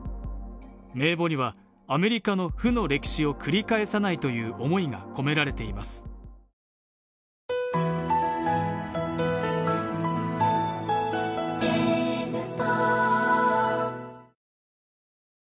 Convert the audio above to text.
名簿には、アメリカの負の歴史を繰り返さないという思いが国葬欠席を表明です。